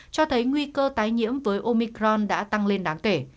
cho thấy nguy cơ tái nhiễm với omicron đã tăng lên đáng kể